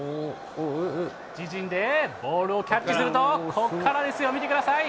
自陣でボールをキャッチすると、ここからですよ、見てください。